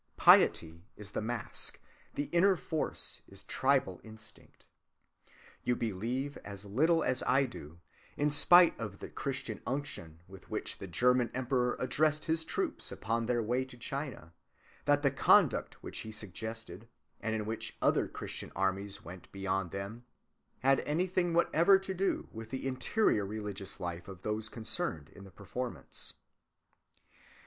Piety is the mask, the inner force is tribal instinct. You believe as little as I do, in spite of the Christian unction with which the German emperor addressed his troops upon their way to China, that the conduct which he suggested, and in which other Christian armies went beyond them, had anything whatever to do with the interior religious life of those concerned in the performance.